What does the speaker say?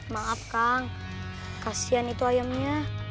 maaf kang kasian itu ayamnya